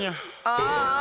ああ。